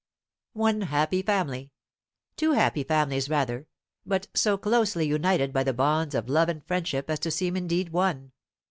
One happy family two happy families rather, but so closely united by the bonds of love and friendship as to seem indeed one.